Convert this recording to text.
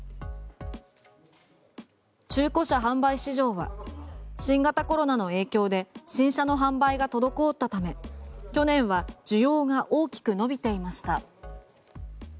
中古車販売市場は新型コロナの影響で新車の販売が滞ったため去年は需要が大きく伸びていました。